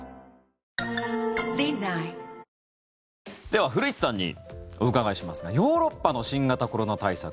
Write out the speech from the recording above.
では、古市さんにお伺いしますがヨーロッパの新型コロナ対策